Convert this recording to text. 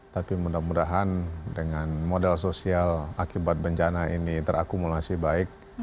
tapi mudah mudahan dengan modal sosial akibat bencana ini terakumulasi baik